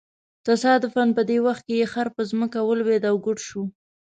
تصادفاً په دې وخت کې یې خر په ځمکه ولویېد او ګوډ شو.